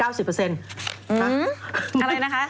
อะไรนะคะ